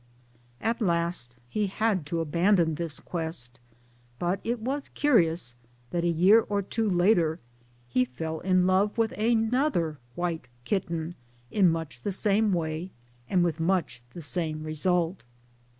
At last he had to abandon this quest, but it was curious that a year or two later he fell in love with another white kitten in much the same way and with much the same result.